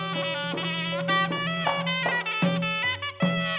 ธรรมดา